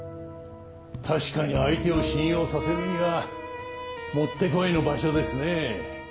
確かに相手を信用させるにはもってこいの場所ですね。